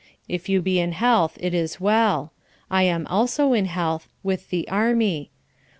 It you be in health, it is well; I am also in health, with the army.